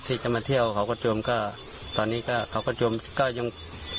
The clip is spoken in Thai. ที่จะมาเที่ยวเขากระจวมก็ตอนนี้ก็เขากระจวมก็ยัง